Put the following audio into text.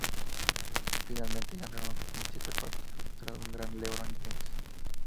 Finalmente, ganaron en siete partidos tras un gran LeBron James.